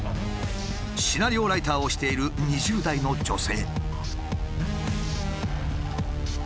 シナリオライターをしている２０代の女性。